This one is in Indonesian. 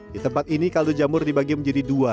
di tempat ini kaldu jamur dibagi menjadi dua